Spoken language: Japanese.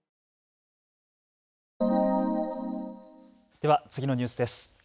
では次のニュースです。